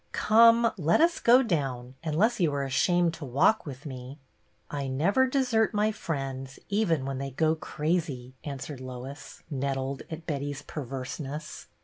" Come, let us go down, unless you are ashamed to walk with me." " I never desert my friends, even when they go crazy," answered Lois, nettled at Betty's perverseness.